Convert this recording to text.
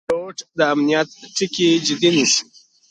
پیلوټ د امنیت ټکي جدي نیسي.